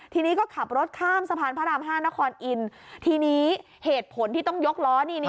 ทีนี้ก็ขับรถข้ามสะพานพระราม๕นครอินทีนี้เหตุผลที่ต้องยกล้อนี่